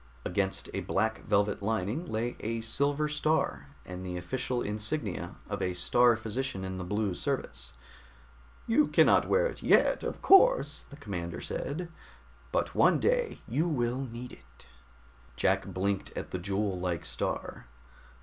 Against a black velvet lining lay a silver star, and the official insignia of a Star Physician in the Blue Service. "You cannot wear it yet, of course," the commander said. "But one day you will need it." Jack blinked at the jewel like star.